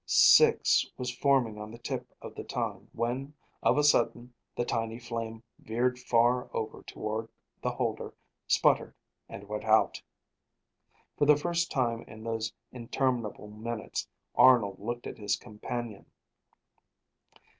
"Six" was forming on the tip of the tongue when of a sudden the tiny flame veered far over toward the holder, sputtered and went out. For the first time in those interminable minutes, Arnold looked at his companion.